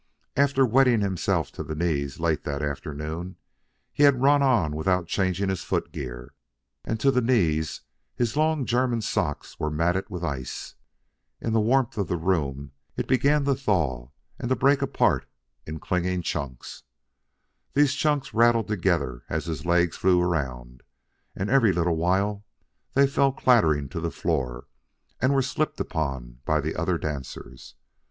After wetting himself to the knees late that afternoon, he had run on without changing his foot gear, and to the knees his long German socks were matted with ice. In the warmth of the room it began to thaw and to break apart in clinging chunks. These chunks rattled together as his legs flew around, and every little while they fell clattering to the floor and were slipped upon by the other dancers.